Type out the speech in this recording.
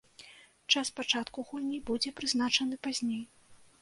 Час пачатку гульні будзе прызначаны пазней.